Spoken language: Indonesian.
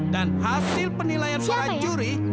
dan hasil penilaian peran juri